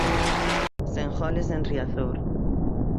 Sen goles en Riazor.